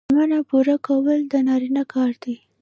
ژمنه پوره کول د نارینه کار دی